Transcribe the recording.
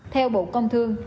theo bộ công an